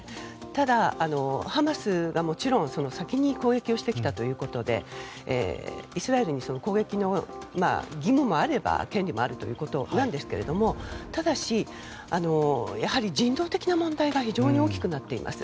ただ、もちろん、ハマスが先に攻撃してきたということでイスラエルに攻撃の義務もあれば権利もあるということなんですけれどもただし、やはり人道的な問題が非常に大きくなっています。